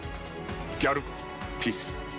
ギャルピース！